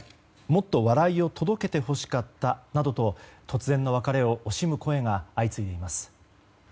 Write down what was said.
もっと笑いを届けてほしかった、などと突然の別れを惜しむ声が相次いでいます。